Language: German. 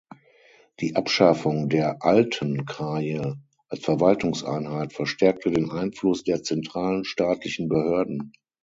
Die Abschaffung der „alten“ Kraje als Verwaltungseinheit verstärkte den Einfluss der zentralen staatlichen Behörden.